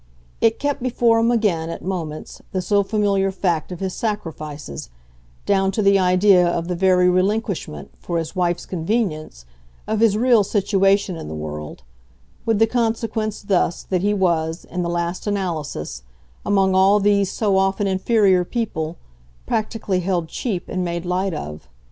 It kept before him again, at moments, the so familiar fact of his sacrifices down to the idea of the very relinquishment, for his wife's convenience, of his real situation in the world; with the consequence, thus, that he was, in the last analysis, among all these so often inferior people, practically held cheap and made light of.